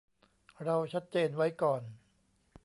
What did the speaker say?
เราชัดเจนไว้ก่อน